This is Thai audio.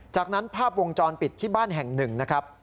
จากนั้นภาพวงจรปิดที่บ้านแห่งหนึ่งนะครับ